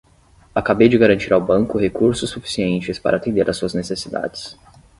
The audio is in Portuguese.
Acabei de garantir ao banco recursos suficientes para atender às suas necessidades.